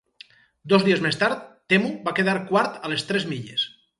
Dos dies més tard, Temu va quedar quart a les tres milles.